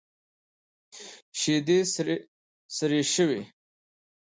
شيدې سرې شوې.